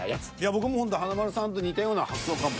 僕もほんと華丸さんと似たような発想かも。